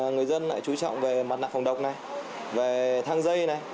người dân lại chú trọng về mặt nạ phòng độc thang dây